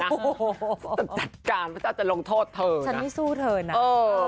ฉันจะจัดการพระเจ้าจะลงโทษเธอนะฉันไม่สู้เธอนะ